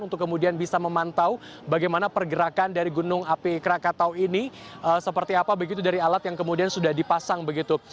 untuk kemudian bisa memantau bagaimana pergerakan dari gunung api krakatau ini seperti apa begitu dari alat yang kemudian sudah dipasang begitu